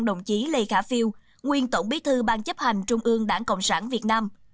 đồng chí lê khả phiêu nguyên tổng bí thư ban chấp hành trung ương đảng cộng sản việt nam